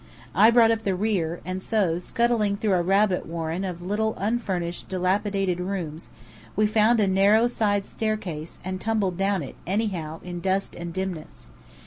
I brought up the rear, and so, scuttling through a rabbit warren of little unfurnished, dilapidated rooms, we found a narrow side staircase, and tumbled down it, anyhow, in dust and dimness.